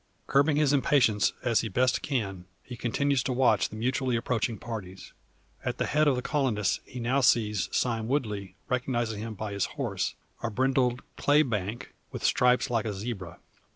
Curbing his impatience, as he best can, he continues to watch the mutually approaching parties. At the head of the colonists he now sees Sime Woodley, recognises him by his horse a brindled "clay bank," with stripes like a zebra.